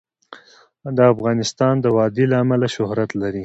افغانستان د وادي له امله شهرت لري.